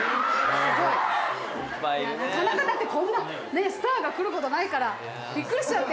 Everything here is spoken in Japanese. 「なかなかだってこんなスターが来る事ないからビックリしちゃって」